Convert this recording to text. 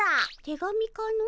手紙かの？